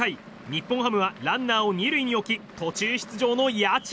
日本ハムはランナーを２塁に置き途中出場の谷内。